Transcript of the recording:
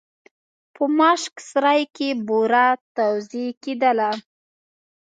په ماشک سرای کې بوره توزېع کېدله.